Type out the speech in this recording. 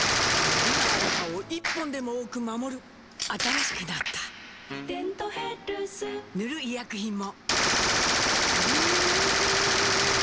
今ある歯を１本でも多く守る新しくなった「デントヘルス」塗る医薬品も